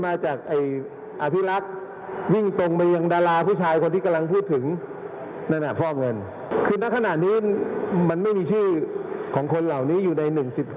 อัพธิรักษ์วิ่งตรงไปยังดาราผู้ชายคนที่กำลังพูดถึงไหนน่าพ่อเงินคณะขนาดนี้มันไม่มีชื่อของคนเหล่านี้อยู่ใน